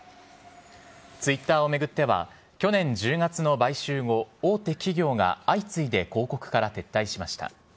ツイッターを巡っては、去年１０月の買収後、大手企業が相次いで広告から撤退しました。